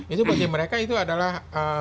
itu bagi mereka itu adalah